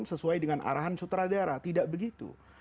sesuai dengan arahan sutradara tidak begitu